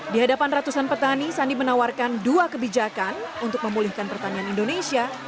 di hadapan ratusan petani sandi menawarkan dua kebijakan untuk memulihkan pertanian indonesia